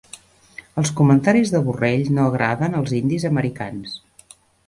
Els comentaris de Borrell no agraden als indis americans